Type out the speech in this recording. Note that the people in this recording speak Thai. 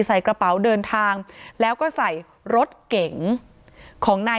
ใส่กระเป๋าเดินทางแล้วก็ใส่รถเก๋งของนาย